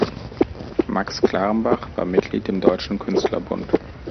Max Clarenbach war Mitglied im Deutschen Künstlerbund.